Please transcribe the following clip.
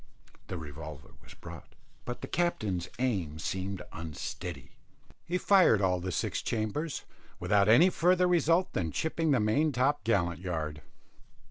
The revolver was brought, but the captain's aim seemed unsteady; he fired all the six chambers, without any further result than chipping the main top gallant yard.